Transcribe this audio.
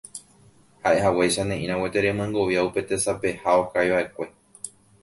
Ha'ehaguéicha ne'írã gueteri amyengovia upe tesapeha okaiva'ekue.